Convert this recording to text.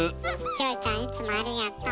キョエちゃんいつもありがと。